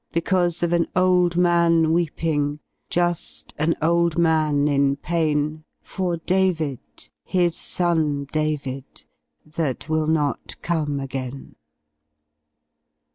Because of an old man weeping, Just an old man in pain. For David, his son David, That will not come again.